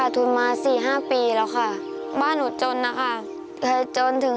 ถ้อน้อง